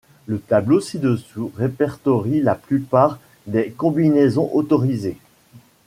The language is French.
Le tableau ci-dessous répertorie la plupart des combinaisons autorisées.